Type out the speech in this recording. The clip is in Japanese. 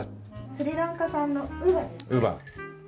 スリランカ産のウバですね。